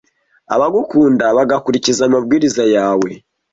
abagukunda bagakurikiza amabwiriza yawe